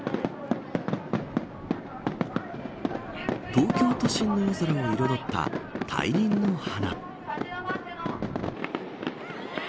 東京都心の夜空を彩った大輪の花。